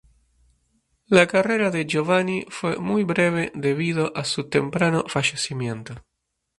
La carrera de Giovanni fue muy breve, debido a su temprano fallecimiento.